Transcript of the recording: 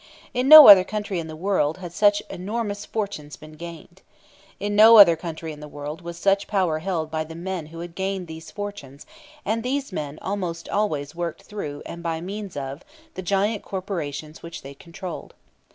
In no other country in the world had such enormous fortunes been gained. In no other country in the world was such power held by the men who had gained these fortunes; and these men almost always worked through, and by means of, the giant corporations which they controlled.